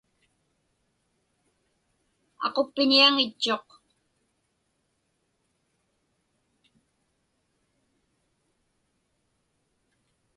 Aquppiñiaŋitchuq.